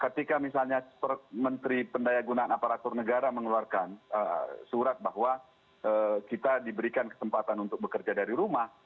ketika misalnya menteri pendaya gunaan aparatur negara mengeluarkan surat bahwa kita diberikan kesempatan untuk bekerja dari rumah